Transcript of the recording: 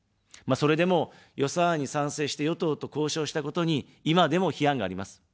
それでも、予算案に賛成して、与党と交渉したことに、今でも批判があります。